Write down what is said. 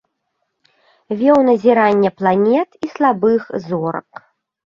Вёў назірання планет і слабых зорак.